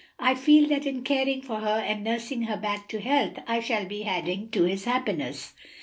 I feel that in caring for her and nursing her back to health I shall be adding to his happiness."